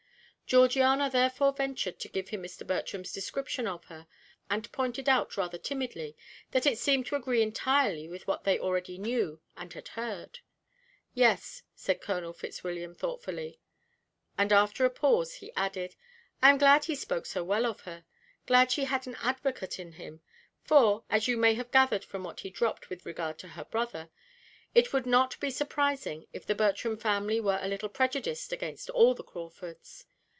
Georgiana therefore ventured to give him Mr. Bertram's description of her, and pointed out rather timidly that it seemed to agree entirely with what they already knew and had heard. "Yes," said Colonel Fitzwilliam thoughtfully; and after a pause, he added: "I am glad he spoke so well of her glad she had an advocate in him, for, as you may have gathered from what he dropped with regard to her brother, it would not be surprising if the Bertram family were a little prejudiced against all the Crawfords.